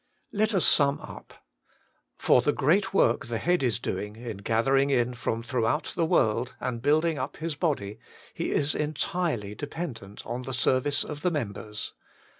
Let us sum up. For the great work the Head is doing in gathering in from throughout the world and building vip His body, He is entirely dependent on the serv ice of the members.